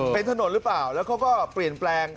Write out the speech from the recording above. เป็นถนนหรือเปล่าแล้วเขาก็เปลี่ยนแปลง